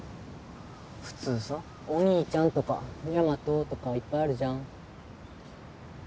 普通さお兄ちゃんとかヤマトとかいっぱいあるじゃん